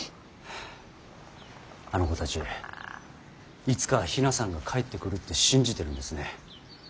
あの子たちいつか比奈さんが帰ってくるって信じてるんですね。